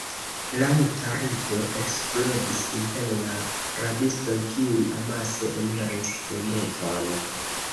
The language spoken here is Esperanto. Laŭta rido eksplodis inter la rabistoj, kiuj amase eniris dometon.